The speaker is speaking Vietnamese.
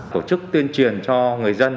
tổ chức tuyên truyền cho người dân